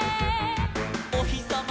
「おひさま